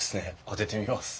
当ててみます。